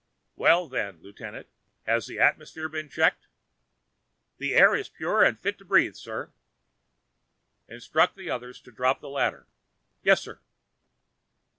"Well then, Lieutenant, has the atmosphere been checked?" "The air is pure and fit to breathe, sir." "Instruct the others to drop the ladder." "Yes sir."